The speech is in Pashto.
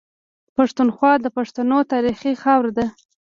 پښتونخوا د پښتنو تاريخي خاوره ده.